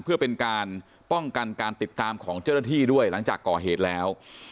เพื่อเป็นการป้องกันการติดตามของเจ้าหน้าที่ด้วยหลังจากก่อเหตุแล้ว